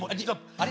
あれ？